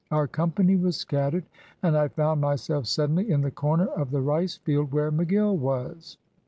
Our company was scattered, and I found myself suddenly in the corner of the rice field where McGill was.